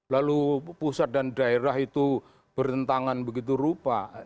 lalu pusat dan daerah itu bertentangan begitu rupa